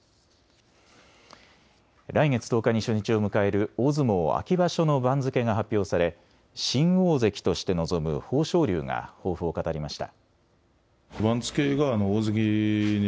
来月１０日に初日を迎える大相撲秋場所の番付が発表され新大関として臨む豊昇龍が抱負を語りました。